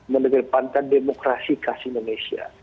mendepankan demokrasi khas indonesia